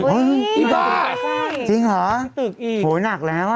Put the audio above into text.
อุ๊ยอีบ้าจริงหรอโอ้โฮนักแล้ว